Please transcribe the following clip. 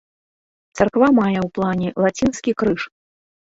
Царква мае ў плане лацінскі крыж.